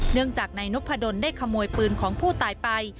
เนื่องจากนายนพดลได้ขโมยปืนของผู้ตายไป